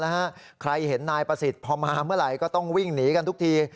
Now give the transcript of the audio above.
ใครเห็นนายประสิทธิ์พอมาเมื่อไหร่ก็ต้องวิ่งหนีกันทุกที